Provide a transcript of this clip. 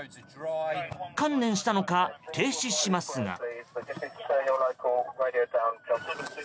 観念したのか停止しますが。